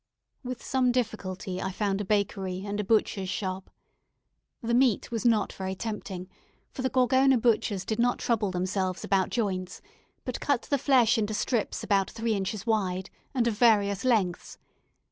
With some difficulty I found a bakery and a butcher's shop. The meat was not very tempting, for the Gorgona butchers did not trouble themselves about joints, but cut the flesh into strips about three inches wide, and of various lengths.